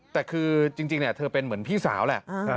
แต่คือจริงเธอเป็นเหมือนพี่สาวแหละ